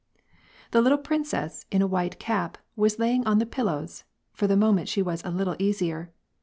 The little princess, in a white cap, was lying on the pillows. (¥or the moment she was a little easier.)